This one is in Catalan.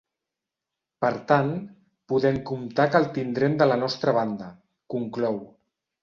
Per tant, podem comptar que el tindrem de la nostra banda — conclou.